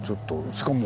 しかも。